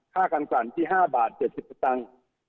ค่าการกรรณที่๕บาท๗๐สตรัง